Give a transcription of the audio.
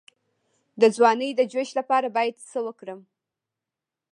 د ځوانۍ د جوش لپاره باید څه وکړم؟